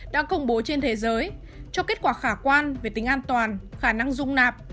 đã công bố trên thế giới cho kết quả khả quan về tính an toàn khả năng dung nạp